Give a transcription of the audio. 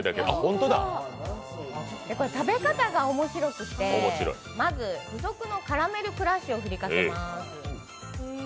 食べ方が面白くてまず付属のカラメルクラッシュを振りかけます。